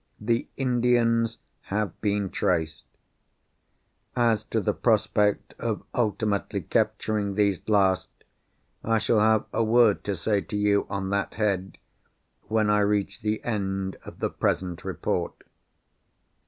The Indians have been traced. As to the prospect of ultimately capturing these last, I shall have a word to say to you on that head, when I reach the end of the present Report.